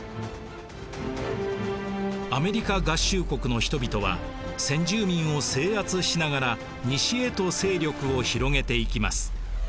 アメリカ合衆国の人々は先住民を制圧しながら西へと勢力を広げていきます。